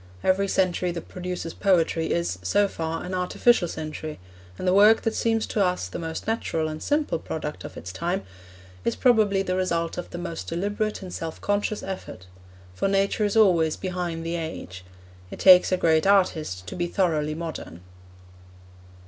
Every century that produces poetry is, so far, an artificial century, and the work that seems to us the most natural and simple product of its time is probably the result of the most deliberate and self conscious effort. For Nature is always behind the age. It takes a great artist to be thoroughly modern.